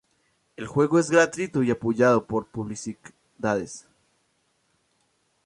El juego es gratuito y apoyado por publicidades.